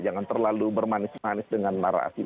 jangan terlalu bermanis manis dengan narasi